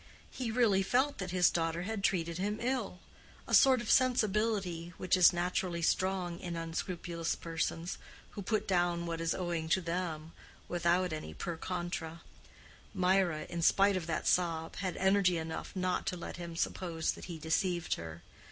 He really felt that his daughter had treated him ill—a sort of sensibility which is naturally strong in unscrupulous persons, who put down what is owing to them, without any per contra. Mirah, in spite of that sob, had energy enough not to let him suppose that he deceived her.